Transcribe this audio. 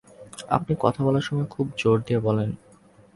আপনি কথা বলার সময় খুব জোর দিয়ে বলেন।